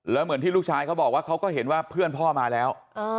แล้วเหมือนที่ลูกชายเขาบอกว่าเขาก็เห็นว่าเพื่อนพ่อมาแล้ว